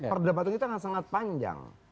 perdebatan kita akan sangat panjang